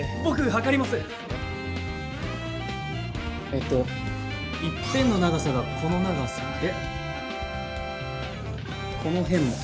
えっと一辺の長さがこの長さでこの辺も。